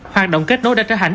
hoạt động kết nối đã trở hành